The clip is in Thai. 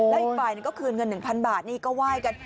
แล้วอีกฝ่ายหนึ่งก็คืนเงิน๑๐๐บาทนี่ก็ไหว้กัน